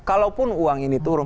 kalaupun uang ini turun